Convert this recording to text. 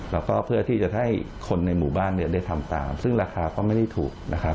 แล้วก็เพื่อที่จะให้คนในหมู่บ้านได้ทำตามซึ่งราคาก็ไม่ได้ถูกนะครับ